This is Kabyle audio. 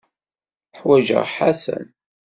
Ḥwajeɣ Ḥasan.